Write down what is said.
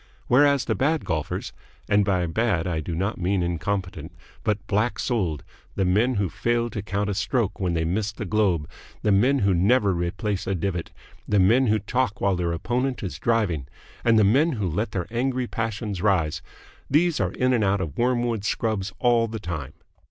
Whereas the bad golfers and by bad I do not mean incompetent, but black souled the men who fail to count a stroke when they miss the globe; the men who never replace a divot; the men who talk while their opponent is driving; and the men who let their angry passions rise these are in and out of Wormwood Scrubbs all the time.